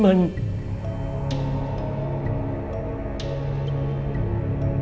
ข้างล่างฝักตัวด้วยนะคะ